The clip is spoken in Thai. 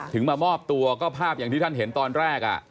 มามอบตัวก็ภาพอย่างที่ท่านเห็นตอนแรก